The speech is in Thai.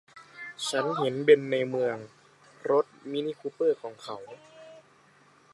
ฉันเห็นเบ็นในเมืองรถ มินิคูเปอร์ของเขา